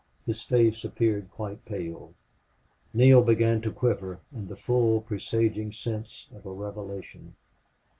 His face appeared quite pale. Neale began to quiver in the full presaging sense of a revelation.